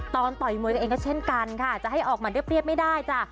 ต่อยมวยตัวเองก็เช่นกันค่ะจะให้ออกมาเรียบไม่ได้จ้ะ